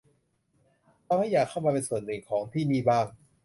ทำให้อยากเข้ามาเป็นส่วนหนึ่งของที่นี่บ้าง